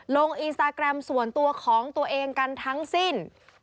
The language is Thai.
ลงอินสตาแกรมส่วนตัวของตัวเองกันทั้งสิ้น